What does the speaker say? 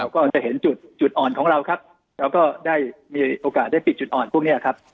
ก็จะเห็นจุดอ่อนของเราครับเราก็ได้มีโอกาสได้ปิดจุดอ่อนพวกนี้ครับ